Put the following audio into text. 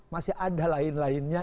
masih ada lain lainnya